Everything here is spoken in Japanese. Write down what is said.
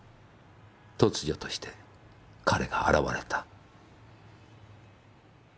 突如として彼が現れた。